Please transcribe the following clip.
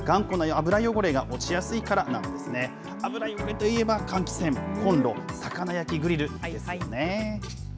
油汚れといえば換気扇、コンロ、魚焼きグリルですよね。